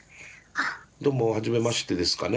どうもはじめましてですかね？